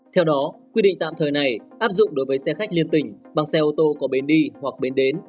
theo đó quy định tạm thời này áp dụng đối với xe khách liên tỉnh bằng xe ô tô có bến đi hoặc bến đến